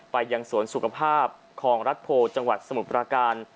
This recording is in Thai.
ไปยังสวนสุขภาพคลองรัฐโพจังหวัดสมุทรประการ